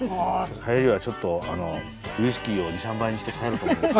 帰りはちょっとウイスキーを２３杯にして帰ろうと思います。